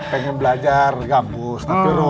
pengen belajar kampus